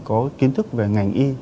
có kiến thức về ngành y